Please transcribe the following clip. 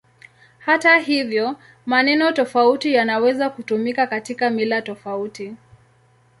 Hata hivyo, maneno tofauti yanaweza kutumika katika mila tofauti.